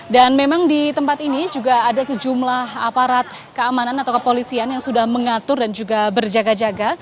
memang di tempat ini juga ada sejumlah aparat keamanan atau kepolisian yang sudah mengatur dan juga berjaga jaga